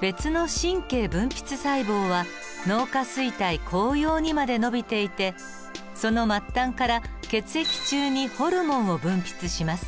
別の神経分泌細胞は脳下垂体後葉にまで伸びていてその末端から血液中にホルモンを分泌します。